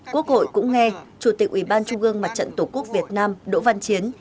quốc hội cũng nghe chủ tịch ủy ban trung ương mặt trận tổ quốc việt nam đỗ văn chiến